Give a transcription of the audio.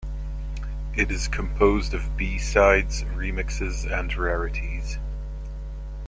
It is composed of B-sides, remixes and rarities.